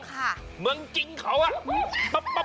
เหมือนจริงเขา